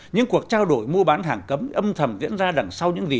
những cuộc trao đổi mua bán hàng cấm âm thầm diễn ra đằng sau những gì